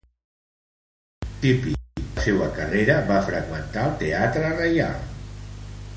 Al principi de la seua carrera va freqüentar el Teatro Real de Madrid.